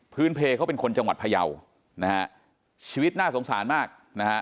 เพลเขาเป็นคนจังหวัดพยาวนะฮะชีวิตน่าสงสารมากนะฮะ